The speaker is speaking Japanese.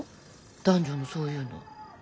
男女のそういうの。